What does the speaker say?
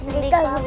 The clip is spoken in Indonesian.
terima kasih prabu